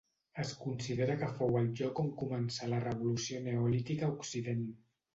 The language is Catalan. Es considera que fou el lloc on començà la revolució neolítica a Occident.